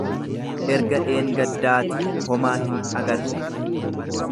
Erga dheengaddaatii homaa hin agarre.